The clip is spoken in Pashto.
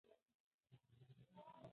اقتصاد د نړیوالو سوداګریزو اړیک